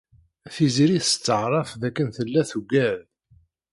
Tiziri testeɛṛef dakken tella tugad.